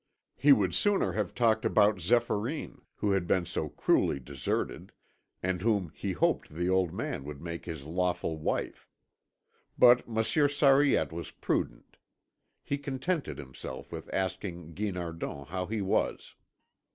He would sooner have talked about Zéphyrine, who had been so cruelly deserted, and whom he hoped the old man would make his lawful wife. But Monsieur Sariette was prudent. He contented himself with asking Guinardon how he was.